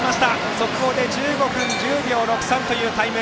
速報で１５分１０秒６３というタイム。